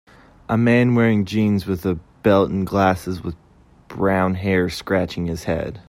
A man wearing jeans with a belt and glasses with brown hair scratching his head